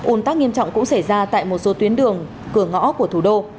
ồn tắc nghiêm trọng cũng xảy ra tại một số tuyến đường cửa ngõ của thủ đô